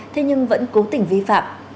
thế nhưng vẫn cố tỉnh vi phạm